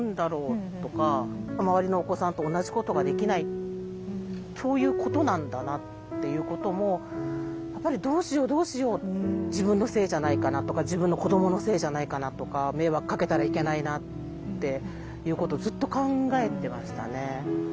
周りのお子さんと同じことができないそういうことなんだなっていうこともやっぱりどうしようどうしよう自分のせいじゃないかなとか自分の子どものせいじゃないかなとか迷惑かけたらいけないなっていうことをずっと考えてましたね。